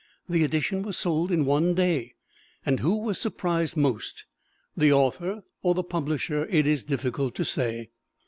The edition was sold in one day, and who was surprised most, the author or the publisher, it is difficult to say.